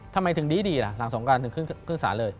ทำไมถึงดีหรอหลังสวงการขึ้นสารเลย